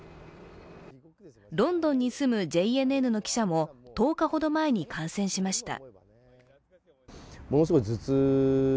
ロンドンに住むＪＮＮの記者も１０日ほど前に感染しました。